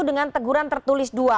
dengan teguran tertulis dua